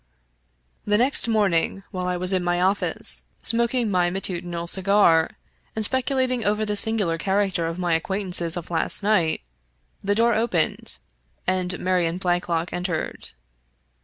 The next morning, while I was in my office, smoking my matutinal cigar, and speculating over the singular character of my acquaintances of last night, the door opened, and Marion Blakelock entered.